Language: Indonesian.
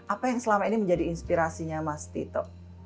apa yang selama ini menjadi inspirasinya mas tito